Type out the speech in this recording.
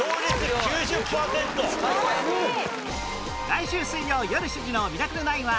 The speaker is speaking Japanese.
来週水曜よる７時の『ミラクル９は』